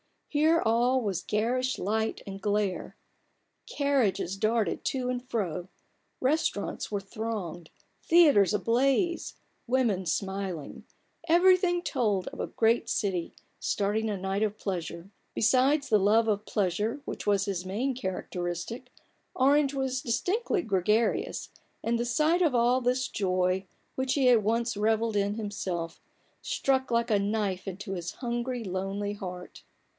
Here all was garish light and glare ; carriages darted to and fro, restaurants were thronged, theatres ablaze, women smiling : everything told of a great city starting a night of pleasure. Besides the love of pleasure which was his main characteristic, Orange was distinctly gregarious ; and the sight of all this joy, which he had once revelled in himself, struck like a knife into his hungry, lonely heart.